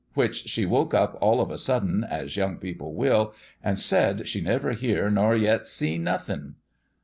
which she woke up all of a suddent, as young people will, and said she never hear nor yet see nothing."